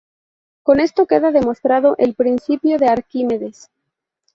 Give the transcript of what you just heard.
Con esto queda demostrado el principio de Arquímedes.